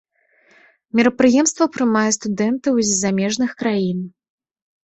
Мерапрыемства прымае студэнтаў і з замежных краін.